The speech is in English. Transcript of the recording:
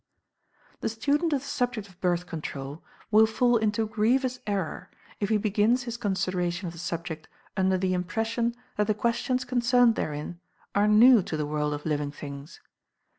The student of the subject of Birth Control will fall into grievous error if he begins his consideration of the subject under the impression that the questions concerned therein are new to the world of living things.